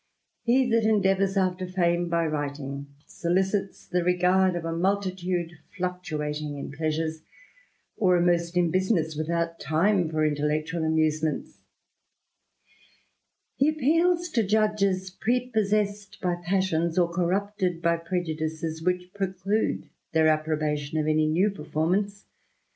He that endeavours after fame by writing, soUdts the regard of a multitude, fluctuating in pleasures or immersed in business, without time for intellectual amuse ments ; be appeals to judges, prepossessed by passions, or corrupted by prejudices, which preclude their approbation of any new performance.